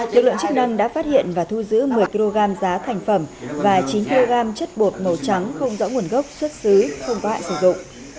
lực lượng chức năng đã phát hiện và thu giữ một mươi kg giá thành phẩm và chín kg chất bột màu trắng không rõ nguồn gốc xuất xứ không có hạn sử dụng